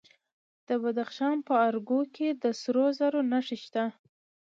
د بدخشان په ارګو کې د سرو زرو نښې شته.